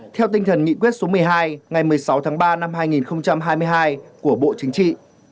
theo tinh thần nghị quyết số một mươi hai ngày một mươi sáu tháng ba năm hai nghìn hai mươi hai của bộ chính trị